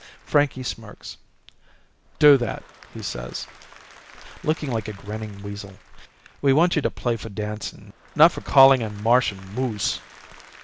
Frankie smirks. "Do that," he says, looking like a grinning weasel. "We want you to play for dancing, not for calling in Martian moose."